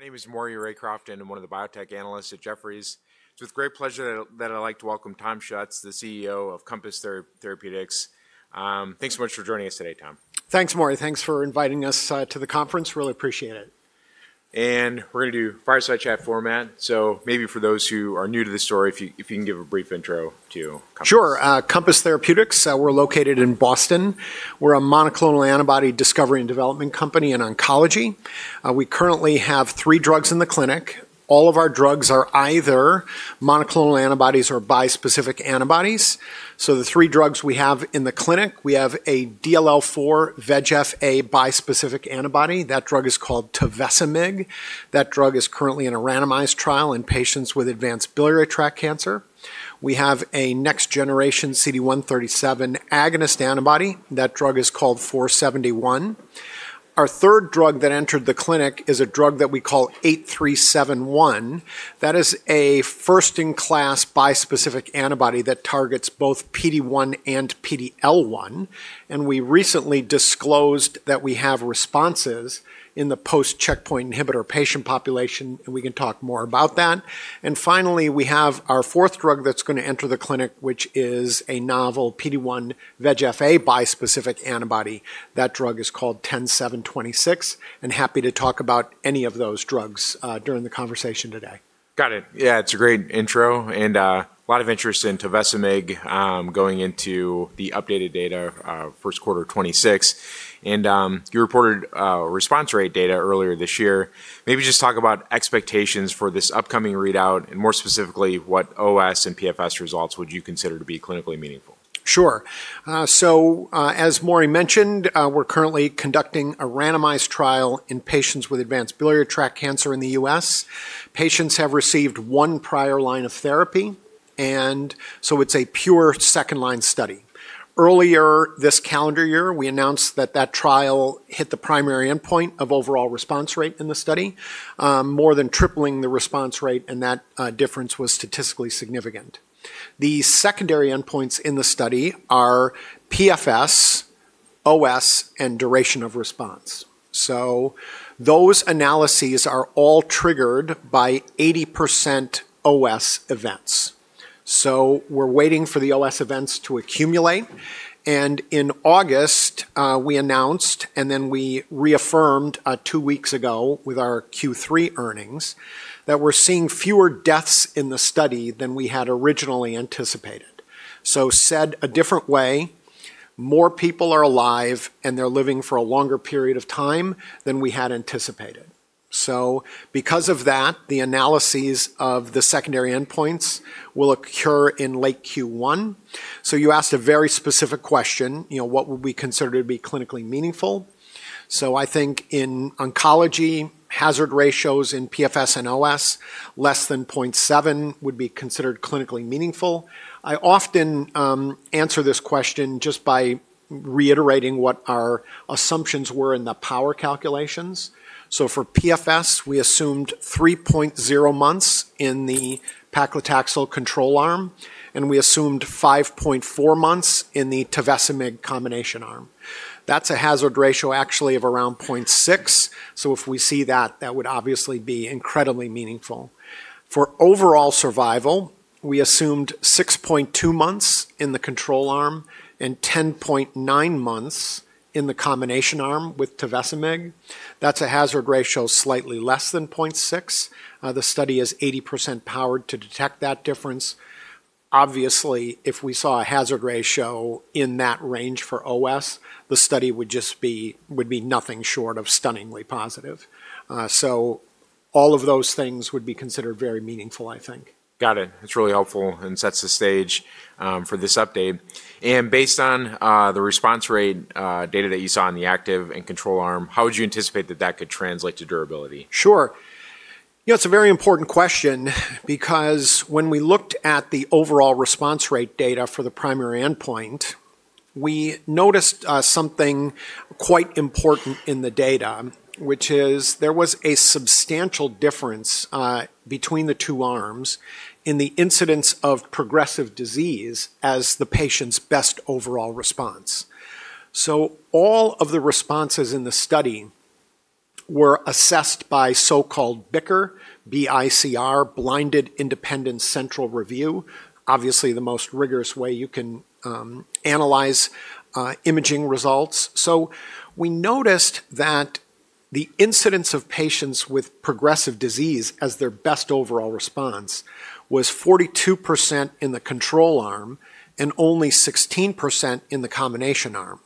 My name is Maury Raycroft, and one of the biotech analysts at Jefferies. It's with great pleasure that I'd like to welcome Thomas Schuetz, the CEO of Compass Therapeutics. Thanks so much for joining us today, Thom. Thanks, Maury. Thanks for inviting us to the conference. Really appreciate it. We're going to do fireside chat format. Maybe for those who are new to the story, if you can give a brief intro to Compass. Sure. Compass Therapeutics, we're located in Boston. We're a monoclonal antibody discovery and development company in oncology. We currently have three drugs in the clinic. All of our drugs are either monoclonal antibodies or bispecific antibodies. The three drugs we have in the clinic, we have a DLL4 VEGF-A bispecific antibody. That drug is called tovecimig. That drug is currently in a randomized trial in patients with advanced biliary tract cancer. We have a next generation CD137 agonist antibody. That drug is called CTX-471. Our third drug that entered the clinic is a drug that we call CTX-8371. That is a first-in-class bispecific antibody that targets both PD-1 and PD-L1. We recently disclosed that we have responses in the post-checkpoint inhibitor patient population, and we can talk more about that. Finally, we have our fourth drug that's going to enter the clinic, which is a novel PD-1 VEGF-A bispecific antibody. That drug is called 10726. Happy to talk about any of those drugs during the conversation today. Got it. Yeah, it's a great intro and a lot of interest in tovecimig going into the updated data first quarter 2026. And you reported response rate data earlier this year. Maybe just talk about expectations for this upcoming readout and more specifically what OS and PFS results would you consider to be clinically meaningful? Sure. As Maury mentioned, we're currently conducting a randomized trial in patients with advanced biliary tract cancer in the U.S. Patients have received one prior line of therapy, and so it's a pure second line study. Earlier this calendar year, we announced that that trial hit the primary endpoint of overall response rate in the study, more than tripling the response rate, and that difference was statistically significant. The secondary endpoints in the study are PFS, OS, and duration of response. Those analyses are all triggered by 80% OS events. We're waiting for the OS events to accumulate. In August, we announced, and then we reaffirmed two weeks ago with our Q3 earnings, that we're seeing fewer deaths in the study than we had originally anticipated. Said a different way, more people are alive and they're living for a longer period of time than we had anticipated. Because of that, the analyses of the secondary endpoints will occur in late Q1. You asked a very specific question, you know, what would we consider to be clinically meaningful? I think in oncology, hazard ratios in PFS and OS less than 0.7 would be considered clinically meaningful. I often answer this question just by reiterating what our assumptions were in the power calculations. For PFS, we assumed 3.0 months in the paclitaxel control arm, and we assumed 5.4 months in the Tevesemig combination arm. That's a hazard ratio actually of around 0.6. If we see that, that would obviously be incredibly meaningful. For overall survival, we assumed 6.2 months in the control arm and 10.9 months in the combination arm with Tevesemig. That's a hazard ratio slightly less than 0.6. The study is 80% powered to detect that difference. Obviously, if we saw a hazard ratio in that range for OS, the study would just be nothing short of stunningly positive. All of those things would be considered very meaningful, I think. Got it. That is really helpful and sets the stage for this update. Based on the response rate data that you saw in the active and control arm, how would you anticipate that that could translate to durability? Sure. You know, it's a very important question because when we looked at the overall response rate data for the primary endpoint, we noticed something quite important in the data, which is there was a substantial difference between the two arms in the incidence of progressive disease as the patient's best overall response. All of the responses in the study were assessed by so-called BICR, B-I-C-R, blinded independent central review, obviously the most rigorous way you can analyze imaging results. We noticed that the incidence of patients with progressive disease as their best overall response was 42% in the control arm and only 16% in the combination arm.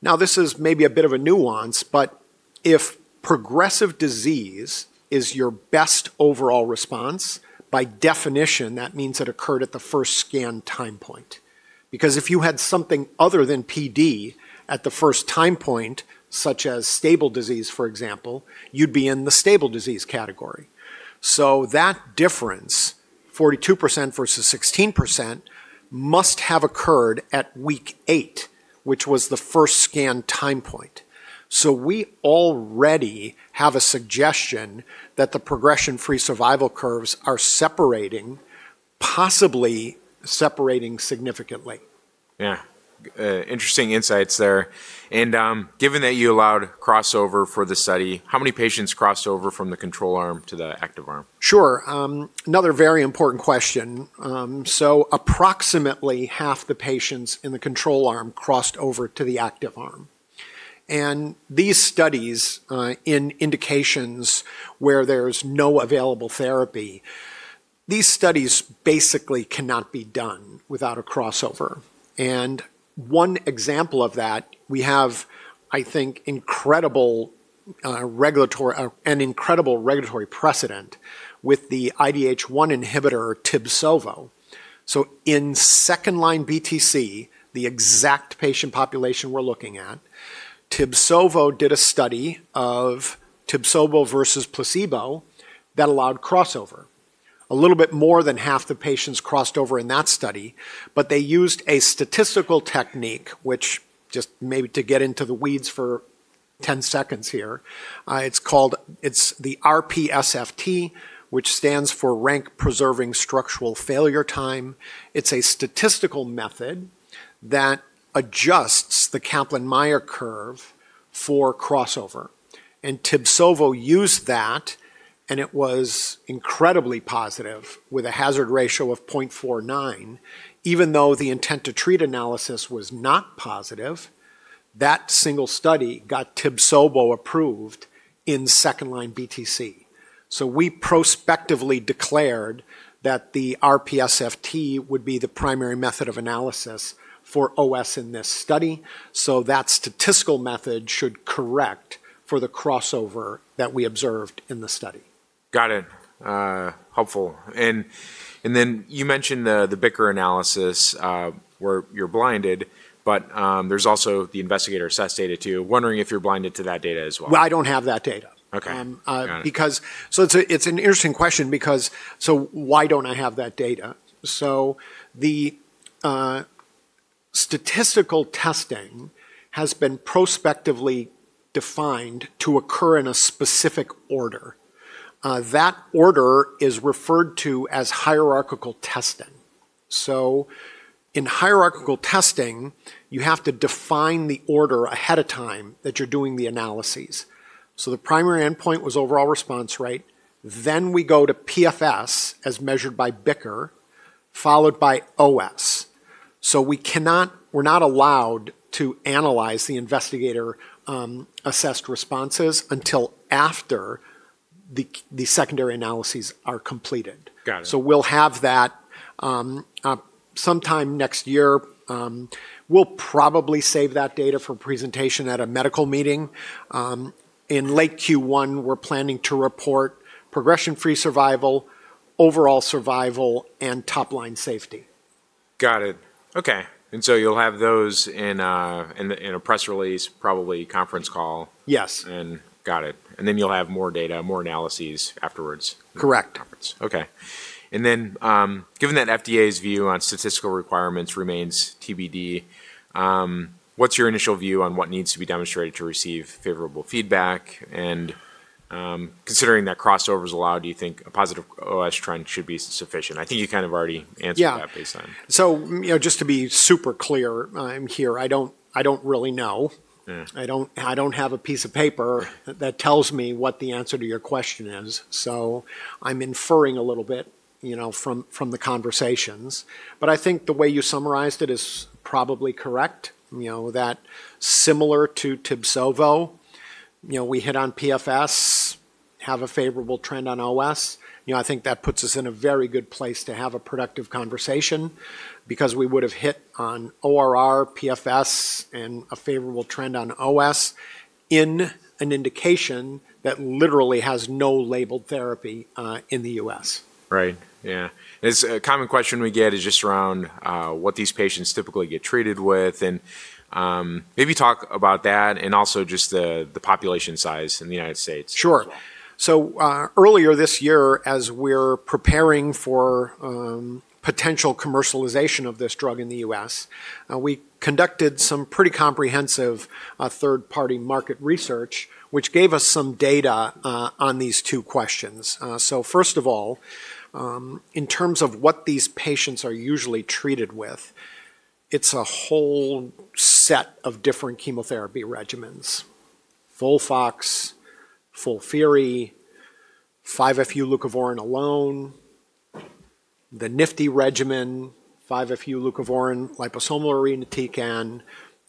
Now, this is maybe a bit of a nuance, but if progressive disease is your best overall response, by definition, that means it occurred at the first scan time point. Because if you had something other than PD at the first time point, such as stable disease, for example, you'd be in the stable disease category. That difference, 42% versus 16%, must have occurred at week eight, which was the first scan time point. We already have a suggestion that the progression-free survival curves are separating, possibly separating significantly. Yeah. Interesting insights there. Given that you allowed crossover for the study, how many patients crossed over from the control arm to the active arm? Sure. Another very important question. Approximately half the patients in the control arm crossed over to the active arm. In these studies in indications where there's no available therapy, these studies basically cannot be done without a crossover. One example of that, we have, I think, incredible regulatory and incredible regulatory precedent with the IDH1 inhibitor, Tibsovo. In second line BTC, the exact patient population we're looking at, Tibsovo did a study of Tibsovo versus placebo that allowed crossover. A little bit more than half the patients crossed over in that study, but they used a statistical technique, which just maybe to get into the weeds for 10 seconds here, it's called the RPSFT, which stands for rank preserving structural failure time. It's a statistical method that adjusts the Kaplan-Meier curve for crossover. Tibsovo used that, and it was incredibly positive with a hazard ratio of 0.49. Even though the intent to treat analysis was not positive, that single study got Tibsovo approved in second line BTC. We prospectively declared that the RPSFT would be the primary method of analysis for OS in this study. That statistical method should correct for the crossover that we observed in the study. Got it. Helpful. You mentioned the BICR analysis where you're blinded, but there's also the investigator assessed data too. Wondering if you're blinded to that data as well. I don't have that data. Okay. It's an interesting question because why don't I have that data? The statistical testing has been prospectively defined to occur in a specific order. That order is referred to as hierarchical testing. In hierarchical testing, you have to define the order ahead of time that you're doing the analyses. The primary endpoint was overall response, right? We go to PFS as measured by BICR, followed by OS. We cannot, we're not allowed to analyze the investigator assessed responses until after the secondary analyses are completed. Got it. We'll have that sometime next year. We'll probably save that data for presentation at a medical meeting. In late Q1, we're planning to report progression-free survival, overall survival, and top line safety. Got it. Okay. You'll have those in a press release, probably conference call. Yes. Got it. Then you'll have more data, more analyses afterwards. Correct. Okay. Given that FDA's view on statistical requirements remains TBD, what's your initial view on what needs to be demonstrated to receive favorable feedback? Considering that crossover is allowed, do you think a positive OS trend should be sufficient? I think you kind of already answered that based on. Yeah. So you know, just to be super clear here, I don't really know. I don't have a piece of paper that tells me what the answer to your question is. I am inferring a little bit, you know, from the conversations. I think the way you summarized it is probably correct. You know, that similar to Tibsovo, you know, we hit on PFS, have a favorable trend on OS. I think that puts us in a very good place to have a productive conversation because we would have hit on ORR, PFS, and a favorable trend on OS in an indication that literally has no labeled therapy in the U.S. Right. Yeah. A common question we get is just around what these patients typically get treated with. Maybe talk about that and also just the population size in the United States. Sure. Earlier this year, as we're preparing for potential commercialization of this drug in the U.S., we conducted some pretty comprehensive third-party market research, which gave us some data on these two questions. First of all, in terms of what these patients are usually treated with, it's a whole set of different chemotherapy regimens: FOLFOX, FOLFIRI, 5-FU leucovorin alone, the NIFTY regimen, 5-FU leucovorin, liposomal irinotecan,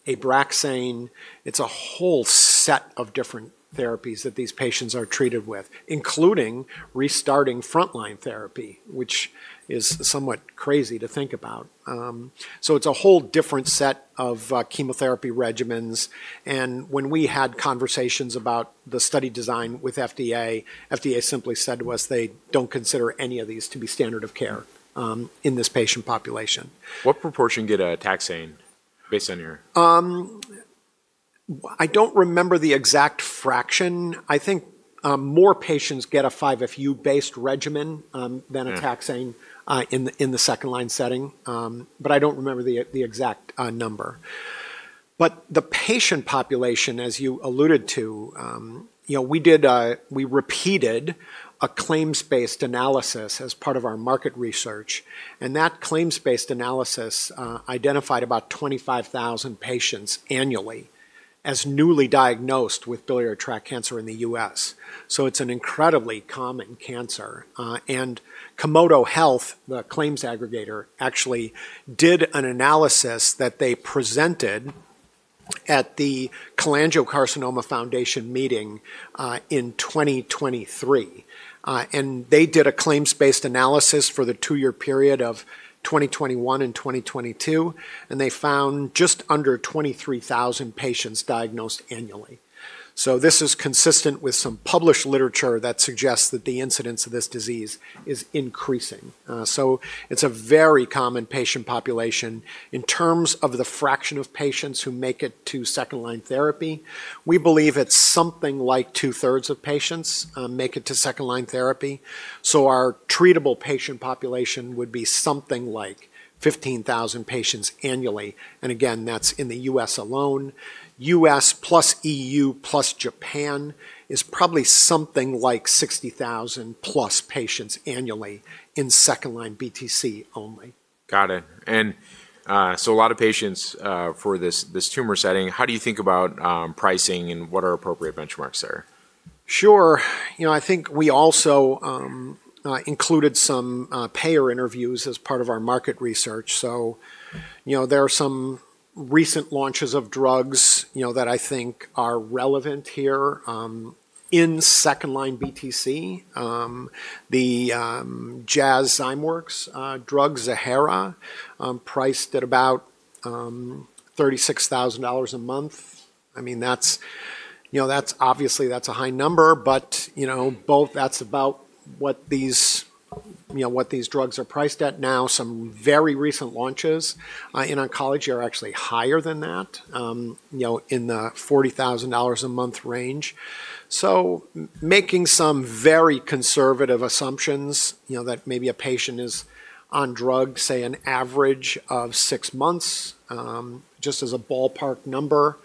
Abraxane. It's a whole set of different therapies that these patients are treated with, including restarting frontline therapy, which is somewhat crazy to think about. It's a whole different set of chemotherapy regimens. When we had conversations about the study design with FDA, FDA simply said to us they don't consider any of these to be standard of care in this patient population. What proportion get a Taxane based on your? I don't remember the exact fraction. I think more patients get a 5-FU based regimen than a Taxane in the second line setting, but I don't remember the exact number. The patient population, as you alluded to, you know, we did, we repeated a claims-based analysis as part of our market research. That claims-based analysis identified about 25,000 patients annually as newly diagnosed with biliary tract cancer in the U.S. It's an incredibly common cancer. Komodo Health, the claims aggregator, actually did an analysis that they presented at the Cholangiocarcinoma Foundation meeting in 2023. They did a claims-based analysis for the two-year period of 2021 and 2022, and they found just under 23,000 patients diagnosed annually. This is consistent with some published literature that suggests that the incidence of this disease is increasing. It's a very common patient population. In terms of the fraction of patients who make it to second line therapy, we believe it's something like two-thirds of patients make it to second line therapy. Our treatable patient population would be something like 15,000 patients annually. Again, that's in the U.S. alone. U.S. plus EU plus Japan is probably something like 60,000 plus patients annually in second line BTC only. Got it. A lot of patients for this tumor setting, how do you think about pricing and what are appropriate benchmarks there? Sure. You know, I think we also included some payer interviews as part of our market research. You know, there are some recent launches of drugs, you know, that I think are relevant here in second-line BTC. The Jazz Zymworks drug, Zanhera, priced at about $36,000 a month. I mean, that's, you know, that's obviously that's a high number, but, you know, both that's about what these, you know, what these drugs are priced at now. Some very recent launches in oncology are actually higher than that, you know, in the $40,000 a month range. Making some very conservative assumptions, you know, that maybe a patient is on drug, say, an average of six months, just as a ballpark number,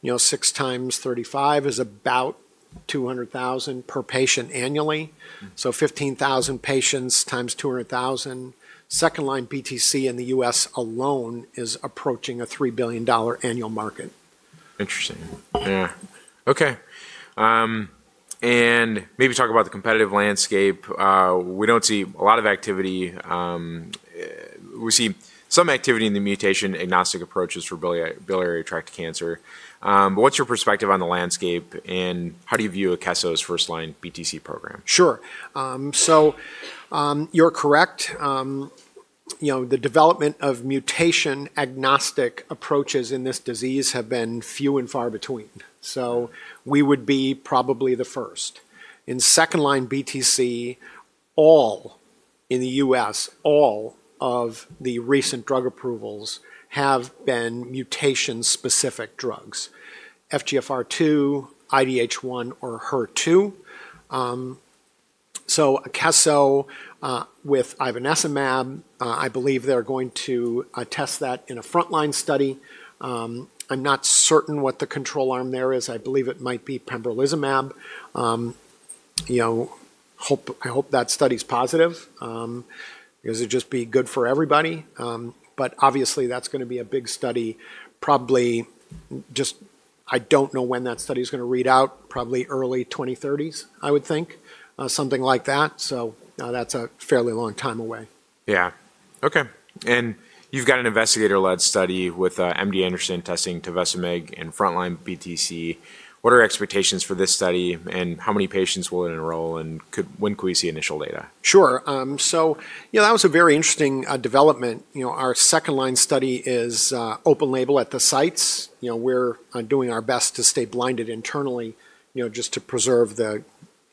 you know, six times 35 is about $200,000 per patient annually. Fifteen thousand patients times $200,000, second line BTC in the U.S. alone is approaching a $3 billion annual market. Interesting. Yeah. Okay. Maybe talk about the competitive landscape. We do not see a lot of activity. We see some activity in the mutation agnostic approaches for biliary tract cancer. What is your perspective on the landscape and how do you view Akeso's first line BTC program? Sure. You're correct. You know, the development of mutation agnostic approaches in this disease have been few and far between. We would be probably the first. In second line BTC, all in the U.S., all of the recent drug approvals have been mutation-specific drugs, FGFR2, IDH1, or HER2. Akeso with ivonescimab, I believe they're going to test that in a frontline study. I'm not certain what the control arm there is. I believe it might be pembrolizumab. You know, I hope that study's positive because it'd just be good for everybody. Obviously that's going to be a big study, probably just, I don't know when that study's going to read out, probably early 2030s, I would think, something like that. That's a fairly long time away. Yeah. Okay. You have got an investigator-led study with MD Anderson testing tovecimig in frontline BTC. What are expectations for this study and how many patients will it enroll and when can we see initial data? Sure. You know, that was a very interesting development. You know, our second line study is open label at the sites. You know, we're doing our best to stay blinded internally, you know, just to preserve the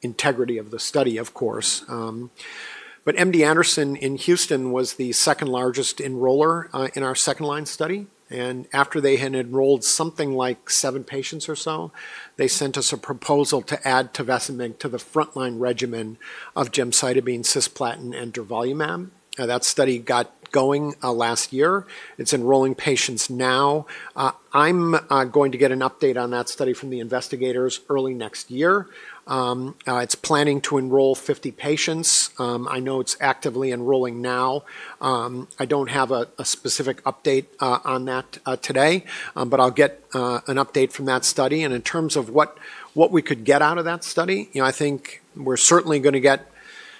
integrity of the study, of course. MD Anderson in Houston was the second largest enroller in our second line study. After they had enrolled something like seven patients or so, they sent us a proposal to add tovecimig to the frontline regimen of gemcitabine, cisplatin, and durvalumab. That study got going last year. It's enrolling patients now. I'm going to get an update on that study from the investigators early next year. It's planning to enroll 50 patients. I know it's actively enrolling now. I don't have a specific update on that today, but I'll get an update from that study. In terms of what we could get out of that study, you know, I think we're certainly going to get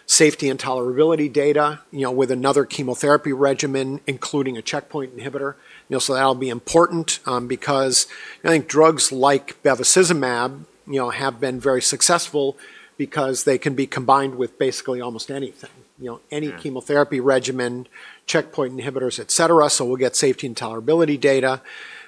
safety and tolerability data, you know, with another chemotherapy regimen, including a checkpoint inhibitor. You know, that'll be important because I think drugs like bevacizumab, you know, have been very successful because they can be combined with basically almost anything, you know, any chemotherapy regimen, checkpoint inhibitors, et cetera. We'll get safety and tolerability data.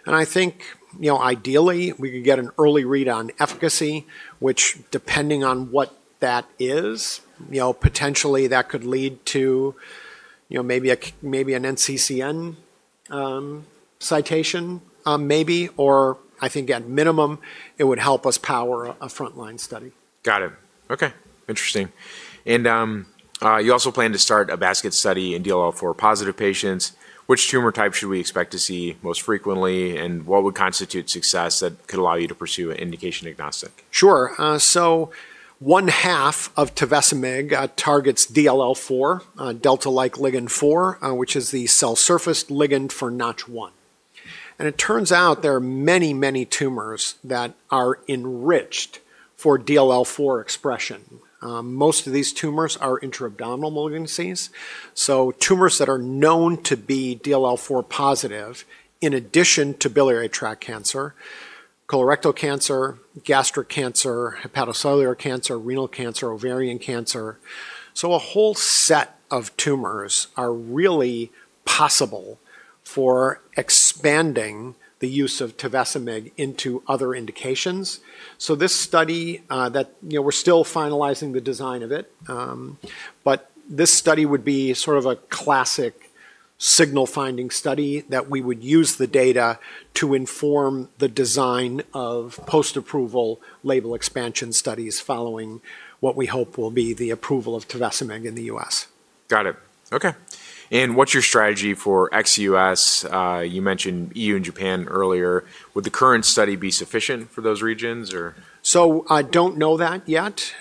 I think, you know, ideally we could get an early read on efficacy, which depending on what that is, you know, potentially that could lead to, you know, maybe an NCCN citation, maybe, or I think at minimum it would help us power a frontline study. Got it. Okay. Interesting. You also plan to start a basket study in DLL4-positive patients. Which tumor type should we expect to see most frequently and what would constitute success that could allow you to pursue an indication agnostic? Sure. One half of tovecimig targets DLL4, delta-like ligand 4, which is the cell surface ligand for NOTCH1. It turns out there are many, many tumors that are enriched for DLL4 expression. Most of these tumors are intra-abdominal malignancies. Tumors that are known to be DLL4 positive in addition to biliary tract cancer are colorectal cancer, gastric cancer, hepatocellular cancer, renal cancer, ovarian cancer. A whole set of tumors are really possible for expanding the use of tovecimig into other indications. This study that, you know, we're still finalizing the design of it, but this study would be sort of a classic signal finding study that we would use the data to inform the design of post-approval label expansion studies following what we hope will be the approval of tovecimig in the U.S. Got it. Okay. What's your strategy for ex-U.S.? You mentioned EU and Japan earlier. Would the current study be sufficient for those regions or? I don't know that yet.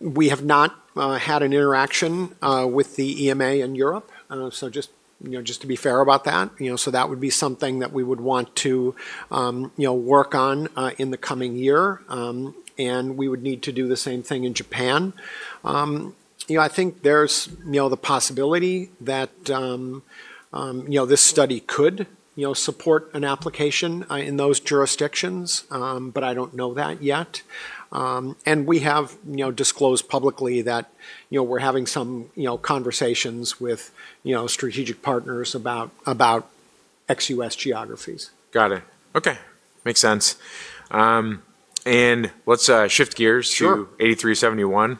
We have not had an interaction with the EMA in Europe. Just, you know, just to be fair about that, you know, that would be something that we would want to, you know, work on in the coming year. We would need to do the same thing in Japan. You know, I think there's, you know, the possibility that, you know, this study could, you know, support an application in those jurisdictions, but I don't know that yet. We have, you know, disclosed publicly that, you know, we're having some, you know, conversations with, you know, strategic partners about ex-U.S. geographies. Got it. Okay. Makes sense. Let's shift gears to 8371.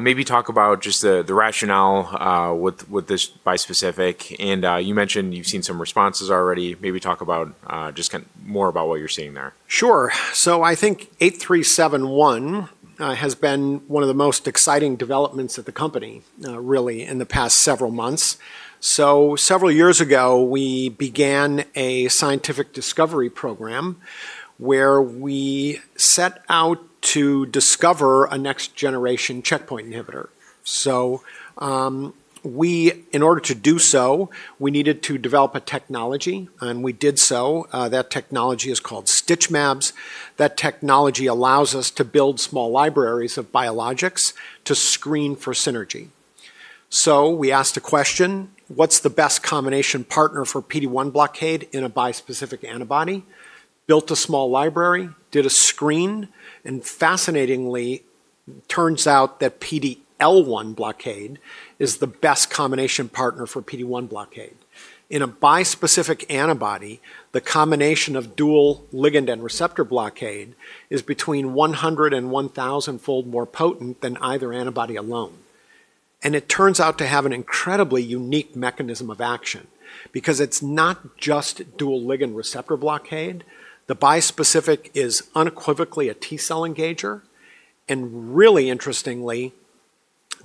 Maybe talk about just the rationale with this bispecific. You mentioned you've seen some responses already. Maybe talk about just more about what you're seeing there. Sure. I think 8371 has been one of the most exciting developments at the company, really, in the past several months. Several years ago, we began a scientific discovery program where we set out to discover a next generation checkpoint inhibitor. We, in order to do so, needed to develop a technology, and we did so. That technology is called StitchMabs. That technology allows us to build small libraries of biologics to screen for synergy. We asked a question, what's the best combination partner for PD-1 blockade in a bispecific antibody? Built a small library, did a screen, and fascinatingly, turns out that PD-L1 blockade is the best combination partner for PD-1 blockade. In a bispecific antibody, the combination of dual ligand and receptor blockade is between 100 and 1,000-fold more potent than either antibody alone. It turns out to have an incredibly unique mechanism of action because it's not just dual ligand receptor blockade. The bispecific is unequivocally a T cell engager. Really interestingly,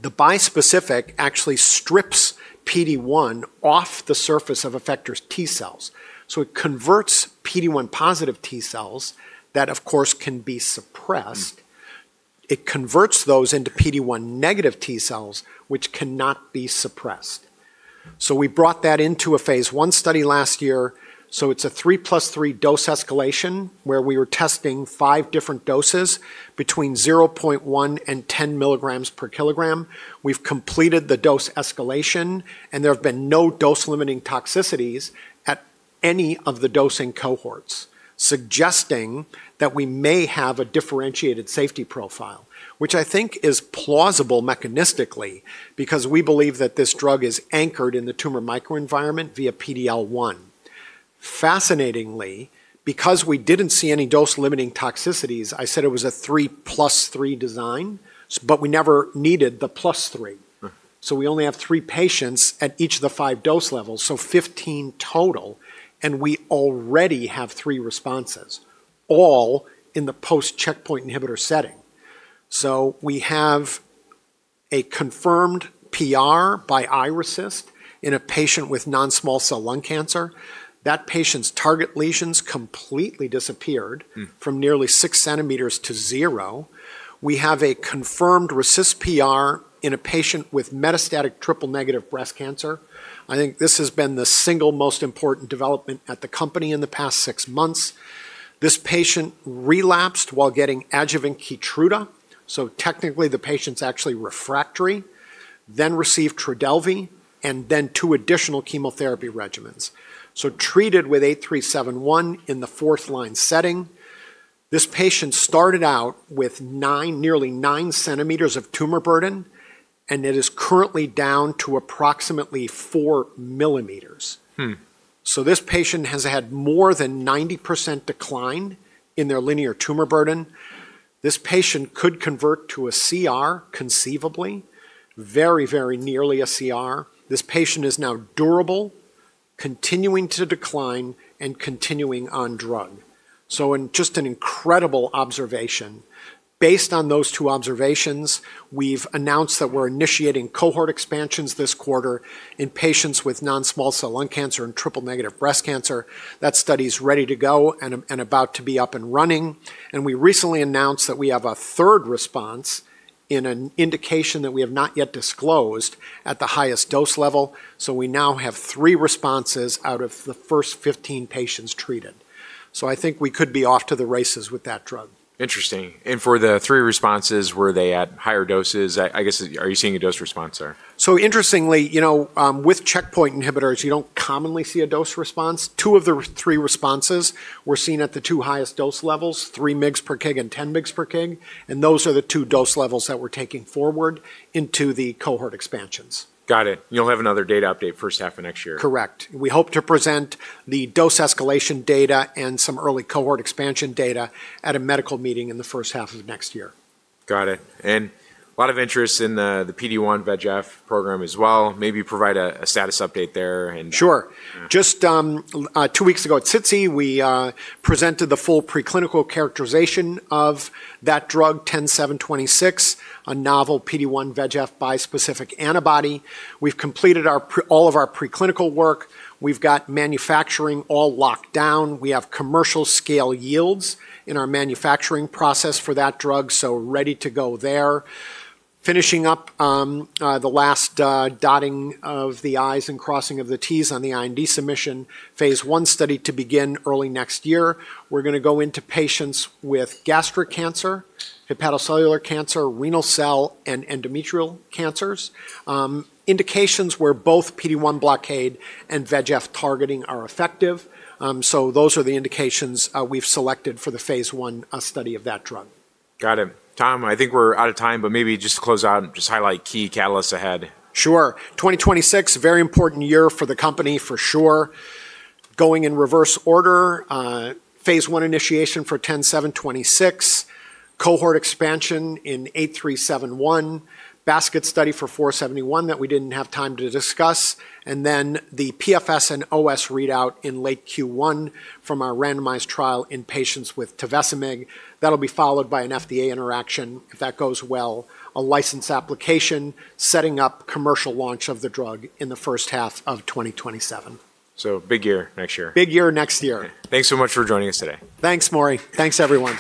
the bispecific actually strips PD-1 off the surface of effector T cells. It converts PD-1 positive T cells that, of course, can be suppressed. It converts those into PD-1 negative T cells, which cannot be suppressed. We brought that into a phase one study last year. It's a three plus three dose escalation where we were testing five different doses between 0.1 and 10 milligrams per kilogram. We've completed the dose escalation, and there have been no dose limiting toxicities at any of the dosing cohorts, suggesting that we may have a differentiated safety profile, which I think is plausible mechanistically because we believe that this drug is anchored in the tumor microenvironment via PD-L1. Fascinatingly, because we did not see any dose limiting toxicities, I said it was a three plus three design, but we never needed the plus three. We only have three patients at each of the five dose levels, so 15 total, and we already have three responses, all in the post-checkpoint inhibitor setting. We have a confirmed PR by RECIST in a patient with non-small cell lung cancer. That patient's target lesions completely disappeared from nearly 6 centimeters to zero. We have a confirmed RECIST PR in a patient with metastatic triple negative breast cancer. I think this has been the single most important development at the company in the past six months. This patient relapsed while getting adjuvant Keytruda. Technically, the patient is actually refractory, then received Trodelvy, and then two additional chemotherapy regimens. Treated with 8371 in the fourth line setting, this patient started out with nearly 9 centimeters of tumor burden, and it is currently down to approximately 4 millimeters. This patient has had more than 90% decline in their linear tumor burden. This patient could convert to a CR conceivably, very, very nearly a CR. This patient is now durable, continuing to decline, and continuing on drug. Just an incredible observation. Based on those two observations, we've announced that we're initiating cohort expansions this quarter in patients with non-small cell lung cancer and triple negative breast cancer. That study's ready to go and about to be up and running. We recently announced that we have a third response in an indication that we have not yet disclosed at the highest dose level. We now have three responses out of the first 15 patients treated. I think we could be off to the races with that drug. Interesting. For the three responses, were they at higher doses? I guess, are you seeing a dose response, sir? Interestingly, you know, with checkpoint inhibitors, you don't commonly see a dose response. Two of the three responses were seen at the two highest dose levels, 3 mg per kg and 10 mg per kg. Those are the two dose levels that we're taking forward into the cohort expansions. Got it. You'll have another data update first half of next year. Correct. We hope to present the dose escalation data and some early cohort expansion data at a medical meeting in the first half of next year. Got it. A lot of interest in the PD-1 VEGF program as well. Maybe provide a status update there. Sure. Just two weeks ago at SITSI, we presented the full preclinical characterization of that drug, 10726, a novel PD-1 VEGF bispecific antibody. We've completed all of our preclinical work. We've got manufacturing all locked down. We have commercial scale yields in our manufacturing process for that drug, so ready to go there. Finishing up the last dotting of the i's and crossing of the t's on the IND submission, phase one study to begin early next year. We're going to go into patients with gastric cancer, hepatocellular cancer, renal cell, and endometrial cancers. Indications where both PD-1 blockade and VEGF targeting are effective. Those are the indications we've selected for the phase one study of that drug. Got it. Thom, I think we're out of time, but maybe just to close out, just highlight key catalysts ahead. Sure. 2026, very important year for the company for sure. Going in reverse order, phase one initiation for 10726, cohort expansion in 8371, basket study for 471 that we didn't have time to discuss, and then the PFS and OS readout in late Q1 from our randomized trial in patients with tovecimig. That'll be followed by an FDA interaction if that goes well, a license application, setting up commercial launch of the drug in the first half of 2027. Big year next year. Big year next year. Thanks so much for joining us today. Thanks, Maury. Thanks, everyone.